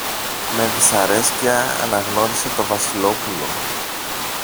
Με δυσαρέσκεια αναγνώρισε το Βασιλόπουλο